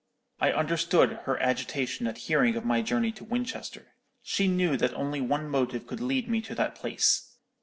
I understood her agitation at hearing of my journey to Winchester. She knew that only one motive could lead me to that place.